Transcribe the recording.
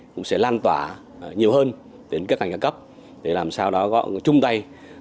cũng sẽ lan tỏa nhiều hơn đến các ngành cao cấp để làm sao đó có chung tay